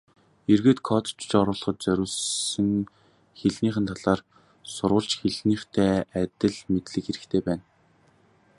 Эргээд кодчилж орчуулахад зорьсон хэлнийх нь талаар сурвалж хэлнийхтэй адил мэдлэг хэрэгтэй болно.